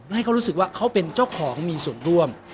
ให้เขารู้สึกว่าเขาเป็นเจ้าของมีส่วนร่วม